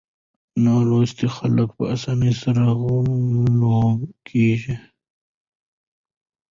نالوستي خلک په اسانۍ سره غولول کېږي.